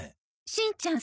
しんちゃん